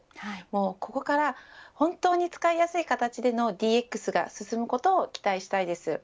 ここから本当に使いやすい形でのＤＸが進むことを期待したいです。